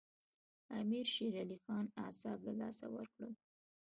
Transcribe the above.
امیر شېر علي خان اعصاب له لاسه ورکړل.